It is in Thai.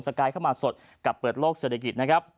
กายเข้ามาสดกับเปิดโลกเศรษฐกิจนะครับ